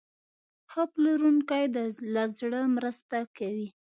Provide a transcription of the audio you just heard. ښه پلورونکی له زړه مرسته کوي.